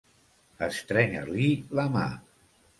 Estrènyer-li la mà.